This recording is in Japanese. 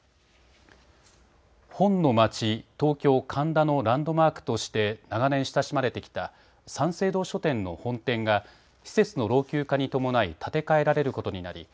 本の街、東京・神田のランドマークとして長年親しまれてきた三省堂書店の本店が施設の老朽化に伴い建て替えられることになり